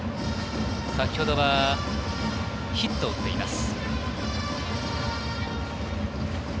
先ほどヒットを打っています。